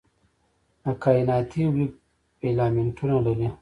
د کائناتي ویب فیلامنټونه لري.